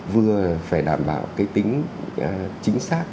vừa phải đảm bảo cái tính chính xác